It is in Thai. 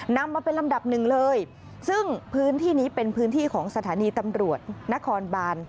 นำมาเป็นลำดับหนึ่งเลยซึ่งพื้นที่นี้เป็นพื้นที่ของสถานีตำรวจนครบาน